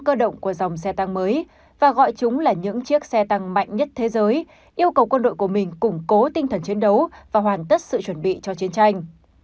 ông kim đưa tin lãnh đạo của dòng xe tăng mới và gọi chúng là những chiếc xe tăng mạnh nhất thế giới yêu cầu quân đội của mình củng cố tinh thần chiến đấu và hoàn tất sự chuẩn bị cho chiến tranh